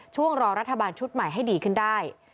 ช่วงรอรัฐบาลชุดใหม่ให้ดีขึ้นได้